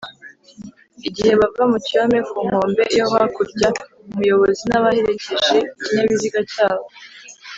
Igihe bava mu cyome ku nkombe yo hakurya umuyobozi n abaherekeje ikinyabiziga cyabo